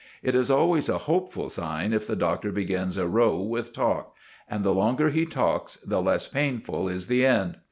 It is always a hopeful sign if the Doctor begins a row with talk; and the longer he talks, the less painful is the end.